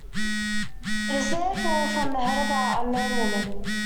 It is therefore from the head of our unknown woman.